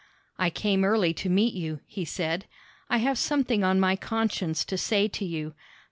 "I came early to meet you," he said. "I have something on my conscience to say to you.